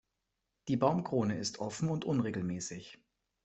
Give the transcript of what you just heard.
Die Baumkrone ist offen und unregelmäßig.